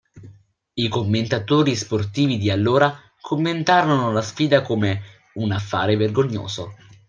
I commentatori sportivi di allora commentarono la sfida come un "affare vergognoso".